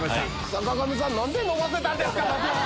坂上さん何で飲ませたんですか